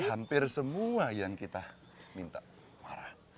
hampir semua yang kita minta marah